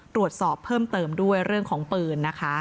ตรวจสอบเพิ่มเติมด้วยเรื่องของปืนนะคะ